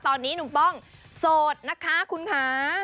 ตอนนี้หนุ่มป้องโสดนะคะคุณค่ะ